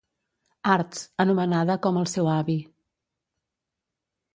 Arts, anomenada com el seu avi.